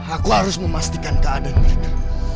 aku harus memastikan keadaan kita